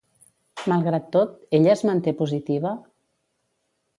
Malgrat tot, ella es manté positiva?